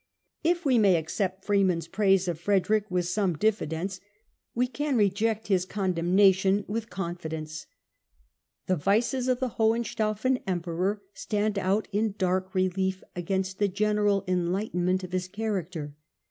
If we may accept Freeman's praise of Frederick with some diffidence, we can reject his condemnation with con 286 STUPOR MUNDI fidence. The vices of the Hohenstaufen Emperor stand out in dark relief against the general enlightenment of his character.